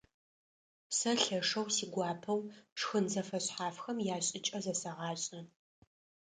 Сэ лъэшэу сигуапэу шхын зэфэшъхьафхэм яшӀыкӀэ зэсэгъашӀэ.